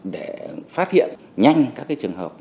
để phát hiện nhanh các trường hợp